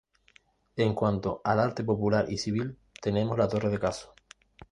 En cuanto al arte popular y civil, tenemos la torre de Cazo.